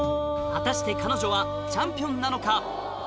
果たして彼女はチャンピオンなのか？